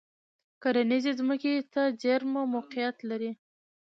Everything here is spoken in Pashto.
کرنیزې ځمکې ته څېرمه موقعیت لري.